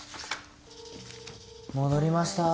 戻りました。